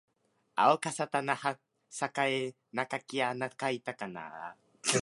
あおかさたなはさかえなかきあなかいたかあ